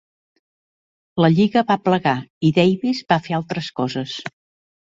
La lliga va plegar i Davis va fer altres coses.